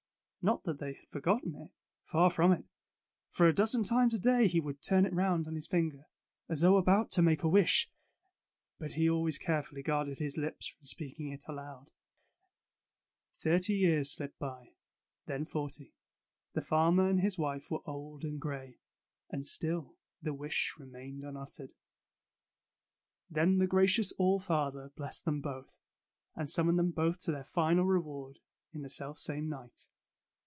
Not that they had forgotten it. Far from it; for a dozen times a day he would turn it around on his finger, as though about to make a wish. But he always carefully guarded his lips from speaking it aloud. Thirty years slipped by, then forty. The farmer and his wife were old and gray, and still the wish remained unuttered. Tales of Modern Germany in Then the gracious All Father blessed them both, and summoned them both to their final reward, in the self same night.